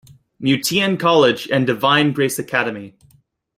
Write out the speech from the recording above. Mutien College and Divine Grace Academy.